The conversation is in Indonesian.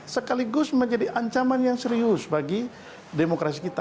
sekaligus menjadi ancaman yang serius bagi demokrasi kita